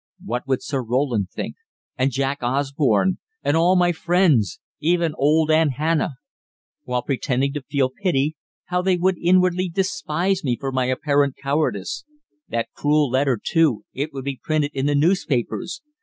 What would Sir Roland think, and Jack Osborne, and all my friends even old Aunt Hannah? While pretending to feel pity, how they would inwardly despise me for my apparent cowardice that cruel letter, too, it would be printed in the newspapers.